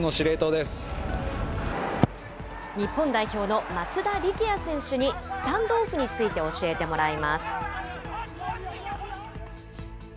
日本代表の松田力也選手に、スタンドオフについて教えてもらいます。